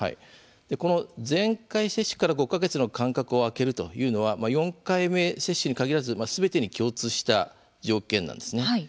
前回接種から５か月の間隔を空けるというのは４回目接種に限らずすべてに共通した条件なんですね。